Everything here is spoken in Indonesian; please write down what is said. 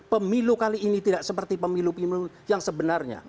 pemilu kali ini tidak seperti pemilu pemilu yang sebenarnya